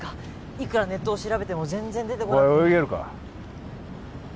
いくらネットを調べても全然お前泳げるか？